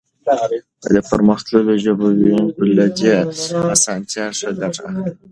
د پرمختللو ژبو ويونکي له دغې اسانتيا ښه ګټه اخلي.